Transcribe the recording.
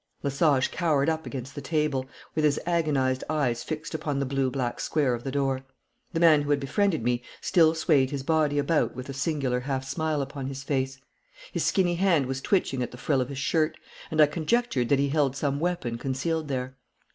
Lesage cowered up against the table, with his agonised eyes fixed upon the blue black square of the door. The man who had befriended me still swayed his body about with a singular half smile upon his face. His skinny hand was twitching at the frill of his shirt, and I conjectured that he held some weapon concealed there.